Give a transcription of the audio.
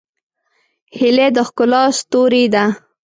هیلۍ د ښکلا ستوری ده